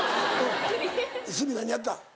鷲見何やった？